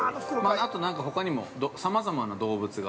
◆あとなんか、ほかにもさまざまな動物が。